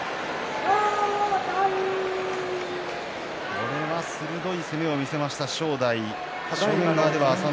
これは鋭い攻めを見せました正代。